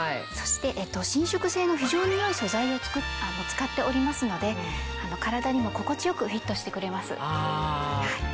そして伸縮性の非常に良い素材を使っておりますので体にも心地よくフィットしてくれます。